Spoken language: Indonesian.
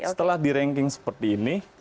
setelah di ranking seperti ini